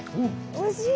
おいしい！